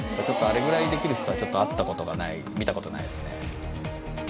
あれぐらいできる人はちょっと会ったことがない見たことないですね。